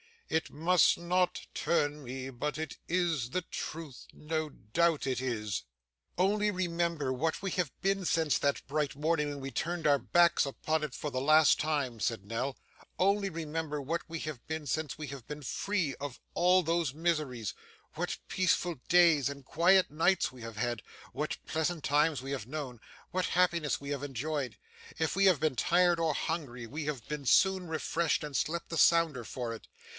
'It must not turn me, but it is the truth; no doubt it is.' 'Only remember what we have been since that bright morning when we turned our backs upon it for the last time,' said Nell, 'only remember what we have been since we have been free of all those miseries what peaceful days and quiet nights we have had what pleasant times we have known what happiness we have enjoyed. If we have been tired or hungry, we have been soon refreshed, and slept the sounder for it.